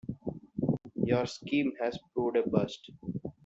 Your scheme has proved a bust.